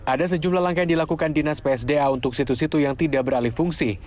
ada sejumlah langkah yang dilakukan dinas psda untuk situ situ yang tidak beralih fungsi